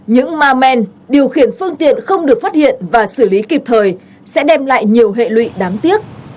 những ma men điều khiển phương tiện không được phát hiện và xử lý kịp thời sẽ đem lại nhiều hệ lụy đáng tiếc